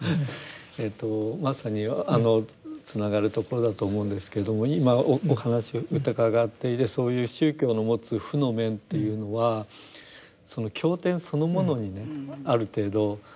えっとまさにつながるところだと思うんですけど今お話を伺っていてそういう宗教の持つ負の面というのはその経典そのものにねある程度こうルーツがある。